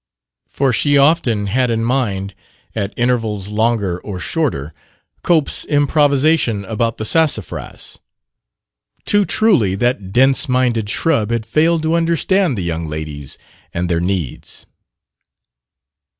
For she often had in mind, at intervals longer or shorter, Cope's improvisation about the Sassafras too truly that dense minded shrub had failed to understand the "young ladies" and their "needs."